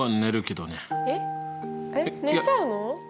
えっ？えっ寝ちゃうの？